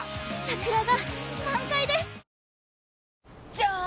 じゃーん！